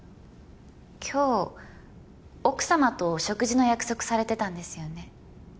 今日奥様とお食事の約束されてたんですよね？